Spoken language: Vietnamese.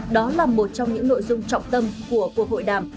đó là một trong những nội dung trọng tâm của cuộc hội đàm